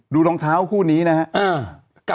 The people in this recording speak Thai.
ดูรองเท้าคู่นี้นะฮะ